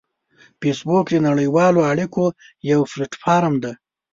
فېسبوک د نړیوالو اړیکو یو پلیټ فارم دی